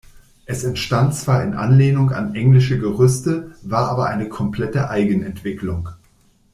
Es entstand zwar in Anlehnung an englische Gerüste, war aber eine komplette Eigenentwicklung.